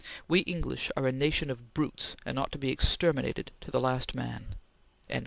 We English are a nation of brutes, and ought to be exterminated to the last man."